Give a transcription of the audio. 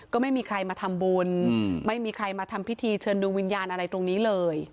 ก็ไม่มีใครมาทำบุญไม่มีใครมาทำพิธีเชิญดวงวิญญาณอะไรตรงนี้เลย